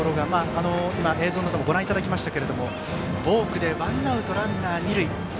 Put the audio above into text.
今、映像でご覧いただきましたがボークでワンアウトランナー、二塁。